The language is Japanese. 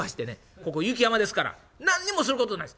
ここ雪山ですから何にもすることないです。